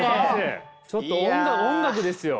ちょっと音楽ですよ。